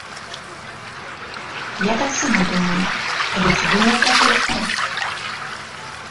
Я так таксама думаю, але ці думае так электарат?